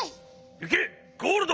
いけゴールド！